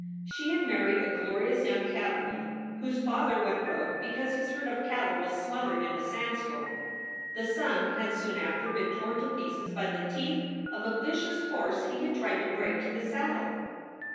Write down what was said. She had married a glo rious young cattleman, whose father went broke because his herd of cattle was smothered in a sandstorm. The son had soon after been torn to pieces by the teeth of a vicious horse he had tried to break to the saddle.